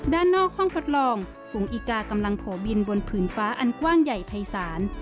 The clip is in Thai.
ด้านนอกห้องทดลองฝูงอิกากำลังโผล่บินบนผืนฟ้าอันกว้างใหญ่ภายศาล